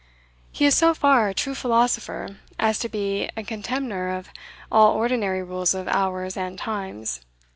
He is so far a true philosopher, as to be a contemner of all ordinary rules of hours and times.